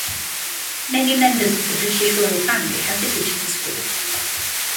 Many members of the British Royal Family have visited the school.